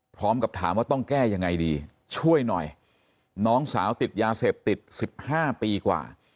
พร้อมกับถามว่าต้องแก้ยังไงดีช่วยหน่อยน้องสาวติดยาเสพติด๑๕ปีกว่า